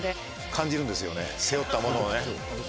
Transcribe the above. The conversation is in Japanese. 感じるんですよね、背負ったものをね。